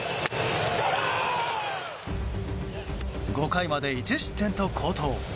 ５回まで１失点と好投。